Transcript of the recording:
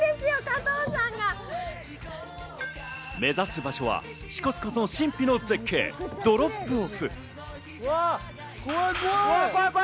目指す場所は支笏湖の神秘の絶景ドロップオフ。